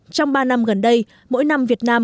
trong ba năm gần đây mỗi năm việt nam